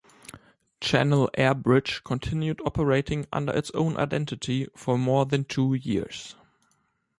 Channel Air Bridge continued operating under its own identity for more than two years.